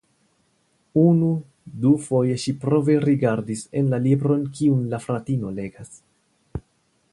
Unu, du foje ŝi prove rigardis en la libron kiun la fratino legas.